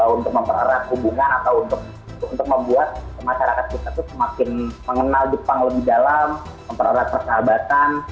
untuk mempererat hubungan atau untuk membuat masyarakat kita itu semakin mengenal jepang lebih dalam mempererat persahabatan